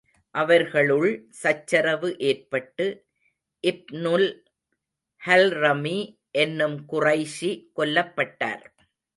அவர்களுள் சச்சரவு ஏற்பட்டு, இப்னுல் ஹல்ரமி என்னும் குறைஷி கொல்லப்பட்டார்.